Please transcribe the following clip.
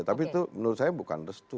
tapi itu menurut saya bukan restu